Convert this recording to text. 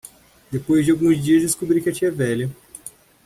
Depois de alguns dias, descobri que a tia é velha.